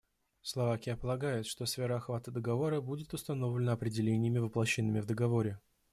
Словакия полагает, что сфера охвата договора будет установлена определениями, воплощенными в договоре.